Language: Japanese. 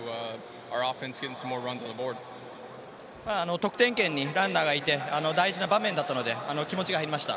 得点圏にランナーがいて大事な場面だったので、気持ちが入りました。